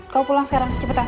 kau pulang sekarang cepetan